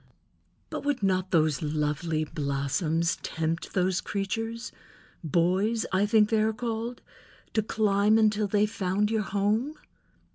"But would not those lovely blossoms tempt those creatures—boys, I think they are called—to climb until they found your home?"